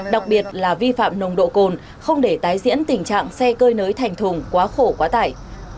đặc biệt là vi phạm nồng độ cồn không để tái diễn tình trạng xe cơi nới thành thùng quá khổ quá tải